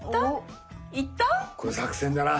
これ作戦だな。